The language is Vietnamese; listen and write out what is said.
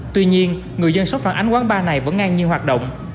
tuy nhiên người dân sốc phản ánh quán bar này vẫn ngang nhiên hoạt động